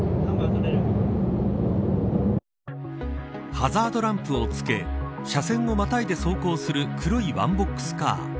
ハザードランプをつけ車線をまたいで走行する黒いワンボックスカー。